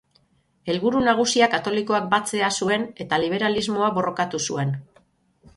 Helburu nagusia katolikoak batzea zuen eta liberalismoa borrokatu zuen.